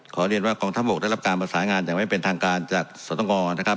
เรียนว่ากองทัพบกได้รับการประสานงานอย่างไม่เป็นทางการจากสตงนะครับ